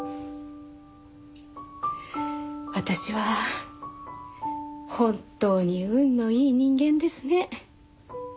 私は本当に運のいい人間ですね。